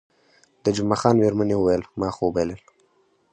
د جمعه خان میرمنې وویل، ما خو وبایلل.